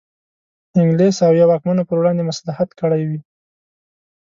انګلیس او یا واکمنو پر وړاندې مصلحت کړی وي.